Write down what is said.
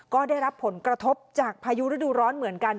ก็ได้รับผลกระทบจากพายุฤดูร้อนเหมือนกัน